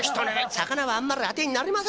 魚はあんまり当てになりませんね。